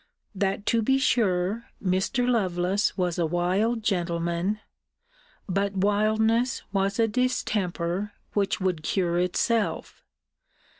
That, to be sure, Mr. Lovelace was a wild gentleman: but wildness was a distemper which would cure itself.